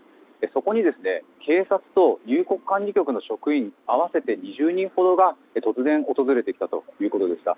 そこに警察と入国管理局の職員合わせて２０人ほどが突然、訪れてきたということでした。